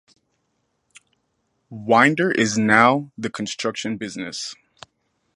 Winder is now in the construction business.